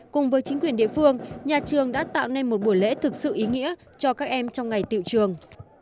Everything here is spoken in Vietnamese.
cùng với chính quyền địa phương nhà trường đã tạo nên một buổi lễ thực sự ý nghĩa cho các em trong ngày tiệu trường